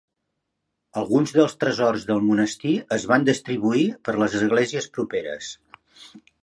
Alguns dels tresors del monestir es van distribuir per les esglésies properes.